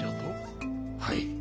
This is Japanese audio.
はい。